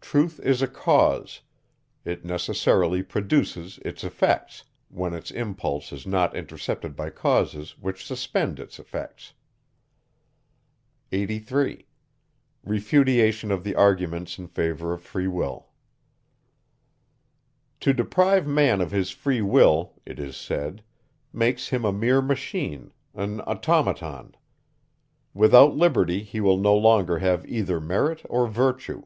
Truth is a cause; it necessarily produces its effects, when its impulse is not intercepted by causes, which suspend its effects. 83. "To deprive man of his free will," it is said, "makes him a mere machine, an automaton. Without liberty, he will no longer have either merit or virtue."